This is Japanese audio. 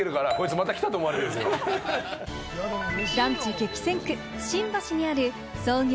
ランチ激戦区・新橋にある創業